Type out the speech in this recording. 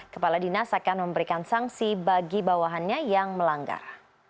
kepala dinas akan memberikan sanksi bagi bawahannya yang melanggar